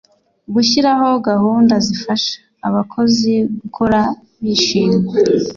gushyiraho gahunda zifasha abakozi gukora bishimye